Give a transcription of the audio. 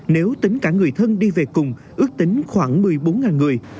nếu tính cả người thân đi về cùng ước tính khoảng một mươi bốn người